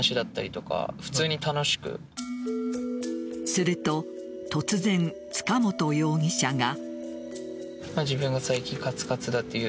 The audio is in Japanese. すると、突然塚本容疑者が。